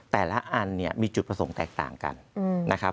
แต่ละอันเนี่ยมีจุดประสงค์แตกต่างกันนะครับ